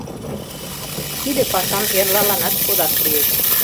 Тиде пашам эрлаланат кодаш лиеш...